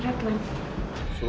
kau kena kau beloved